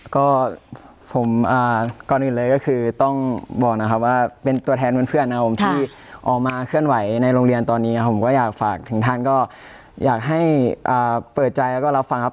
ก็ผมก่อนอื่นเลยก็คือต้องบอกนะครับว่าเป็นตัวแทนเพื่อนนะครับผมที่ออกมาเคลื่อนไหวในโรงเรียนตอนนี้ผมก็อยากฝากถึงท่านก็อยากให้เปิดใจแล้วก็รับฟังครับ